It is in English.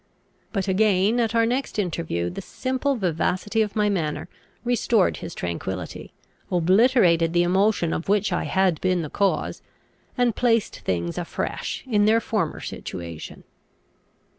But again at our next interview the simple vivacity of my manner restored his tranquillity, obliterated the emotion of which I had been the cause, and placed things afresh in their former situation.